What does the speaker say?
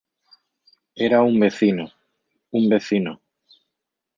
era un vecino... un vecino .